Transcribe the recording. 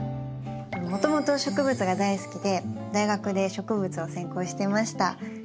もともと植物が大好きで大学で植物を専攻してました。